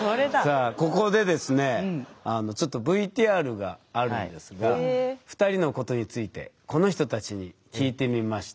さあここでですねちょっとＶＴＲがあるんですが２人のことについてこの人たちに聞いてみました。